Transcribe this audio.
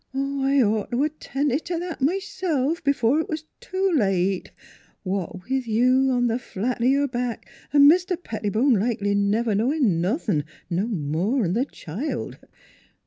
" I'd ought t' 'a' tended t' that m'self b'fore 'twas too late what with you on th' flat o' your back an' Mr. Pettibone likely never knowin' nothin', no more'n th' child.